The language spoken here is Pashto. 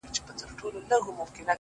طبله- باجه- منگی- سیتار- رباب- ه یاره-